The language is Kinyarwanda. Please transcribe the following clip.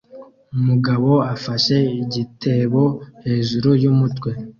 Umugabo afashe igitebo hejuru yumutwe